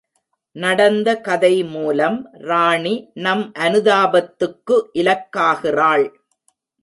நடந்த கதை மூலம், ராணி நம் அனுதாபத்துக்கு இலக்காகிறாள்!